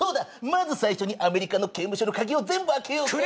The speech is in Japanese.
まず最初にアメリカの刑務所の鍵を全部開けようか」